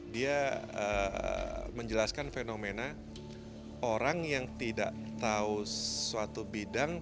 dia menjelaskan fenomena orang yang tidak tahu suatu bidang